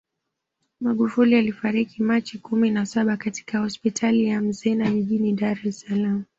Magufuli alifariki Machi kumi na saba katika hospitali ya Mzena jijini Dar es Salaam